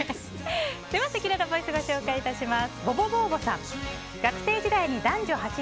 ではせきららボイスをご紹介します。